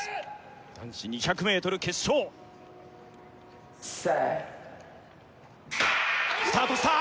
男子２００ｍ決勝Ｓｅｔスタートした